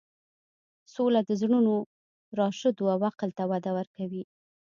سوله د زړونو راشدو او عقل ته وده ورکوي.